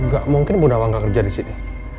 gak mungkin bu nawang gak kerja disini